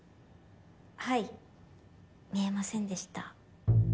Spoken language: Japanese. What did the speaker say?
はい見えませんでした